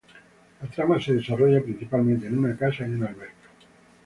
La trama se desarrolla principalmente en una casa y una alberca.